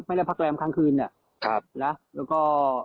ไม่ได้พักแรมครั้งคืนเนี่ยนะแล้วก็